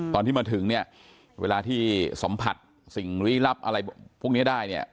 ตอนที่มาถึงเนี่ยเวลาที่สัมผัสสิ่งลี้ลับอะไรพวกนี้ได้เนี่ย